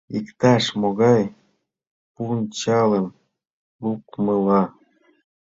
— Иктаж-могай пунчалым лукмыла...